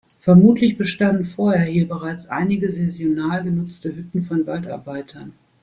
Vermutlich bestanden vorher hier bereits einige saisonal genutzte Hütten von Waldarbeitern.